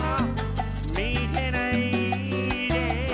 「見てないで」